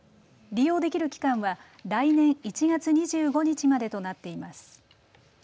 利用できる期間は来年１月２５日までとなっています。